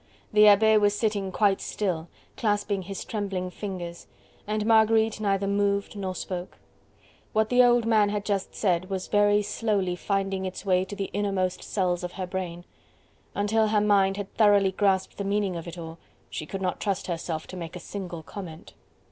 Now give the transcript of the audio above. The Abbe was sitting quite still, clasping his trembling fingers, and Marguerite neither moved nor spoke. What the old man had just said was very slowly finding its way to the innermost cells of her brain. Until her mind had thoroughly grasped the meaning of it all, she could not trust herself to make a single comment.